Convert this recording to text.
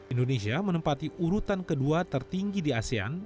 indonesia menempati urutan kedua tertinggi di asean